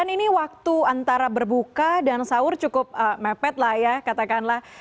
jadi waktu antara berbuka dan sahur cukup mepet lah ya katakanlah